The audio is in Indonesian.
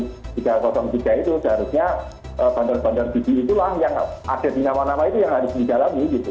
kalau kiamat kosong jika itu seharusnya bandar bandar gigi itulah yang akses di nama nama itu yang harus dijalani